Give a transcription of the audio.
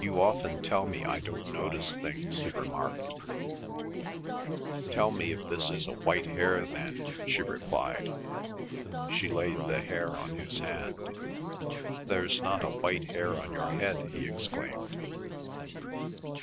"You often tell me I don't notice things," he remarked. "Tell me if this is a white hair, then?" she replied. She laid the hair on his hand. "There's not a white hair on your head," he exclaimed.